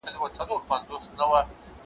چي پخوا به زه په کور کي ګرځېدمه `